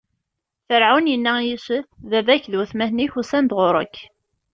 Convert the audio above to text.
Ferɛun inna i Yusef: Baba-k d watmaten-ik usan-d ɣur-k.